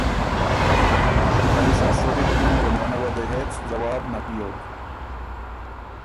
ائ سا سولّي بُکِن که مېنه وه دې هېڅ ځواب نک بیوک۔